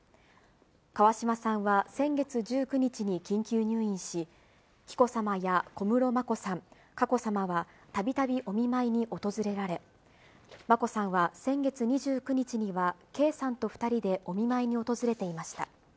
川嶋さんは先月１９日に緊急入院し、紀子さまや小室眞子さん、佳子さまはたびたびお見舞いに訪れられ、眞子さんは先月２９日には、圭さんと２人でお見舞いに訪れていました。